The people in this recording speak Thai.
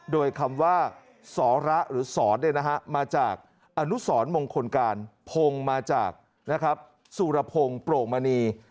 โดยคำว่าสรหรือสอนมาจากอนุสรมงคลการพงศ์มาจากสุรพงศ์โปร่งมณี